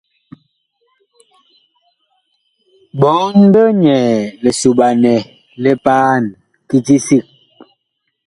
Ɓɔɔn big nyɛɛ lisoɓanɛ li paan kiti sig.